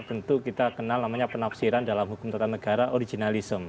tentu kita kenal namanya penafsiran dalam hukum tata negara originalism